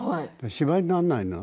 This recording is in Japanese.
芝居にならないの。